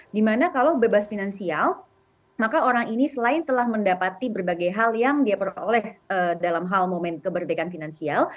dimana kalau bebas finansial maka orang ini selain telah mendapati berbagai hal yang dia peroleh dalam hal momen kemerdekaan finansial